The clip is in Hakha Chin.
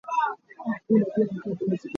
Thisen nih a angki a seh.